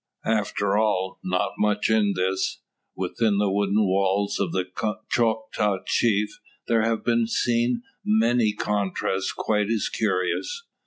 After all, not much in this. Within the wooden walls of the Choctaw Chief there have been seen many contrasts quite as curious.